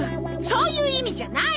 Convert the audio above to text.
そういう意味じゃない！